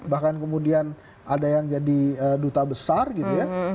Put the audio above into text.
bahkan kemudian ada yang jadi duta besar gitu ya